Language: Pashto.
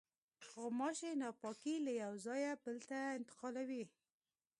غوماشې ناپاکي له یوه ځایه بل ته انتقالوي.